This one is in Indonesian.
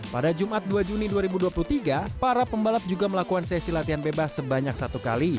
pada jumat dua juni dua ribu dua puluh tiga para pembalap juga melakukan sesi latihan bebas sebanyak satu kali